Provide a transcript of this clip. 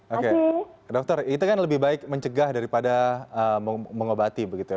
oke dokter itu kan lebih baik mencegah daripada mengobati begitu ya